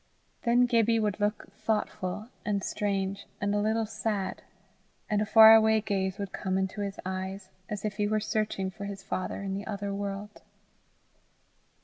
Then Gibbie would look thoughtful and strange and a little sad, and a far away gaze would come into his eyes, as if he were searching for his father in the other world.